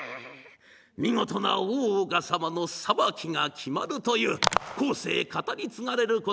見事な大岡様の裁きが決まるという後世語り継がれることになります